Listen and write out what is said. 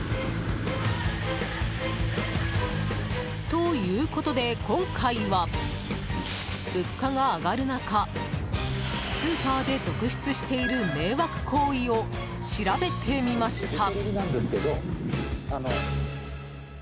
ということで、今回は物価が上がる中スーパーで続出している迷惑行為を調べてみました。